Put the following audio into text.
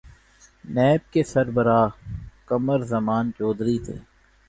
NAB کے سربراہ قمر زمان چوہدری تھے۔